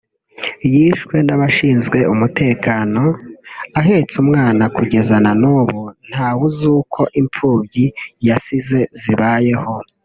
yishwe n’abashinzwe umutekano ahetse umwana kugeza na n’ubu ntawe uzi uko impfubyi yasize zibayeho